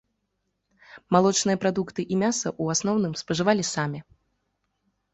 Малочныя прадукты і мяса ў асноўным спажывалі самі.